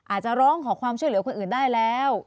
อาจจะร้องขอความช่วยเหลือคนอื่นได้แล้ว